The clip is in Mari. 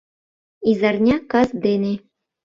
Изарня кас дене